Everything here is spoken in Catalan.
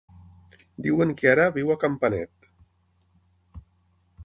Diuen que ara viu a Campanet.